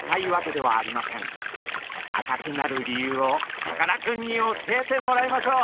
赤くなる理由をさかなクンに教えてもらいましょう。